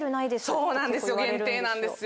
そうなんですよ限定なんですよ。